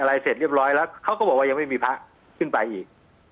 เสร็จเรียบร้อยแล้วเขาก็บอกว่ายังไม่มีพระขึ้นไปอีก